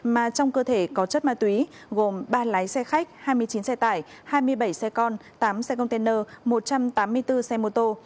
mà trong cơ thể có chất ma túy gồm ba lái xe khách hai mươi chín xe tải hai mươi bảy xe con tám xe container một trăm tám mươi bốn xe mô tô